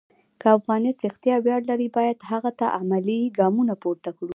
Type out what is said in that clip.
که افغانیت رښتیا ویاړ لري، باید هغه ته عملي ګامونه پورته کړو.